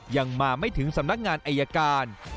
ยังมาไม่ถึงสำนักงานอายการ